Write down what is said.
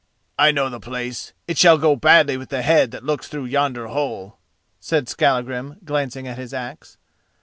"I know the place. It shall go badly with the head that looks through yonder hole," said Skallagrim, glancing at his axe.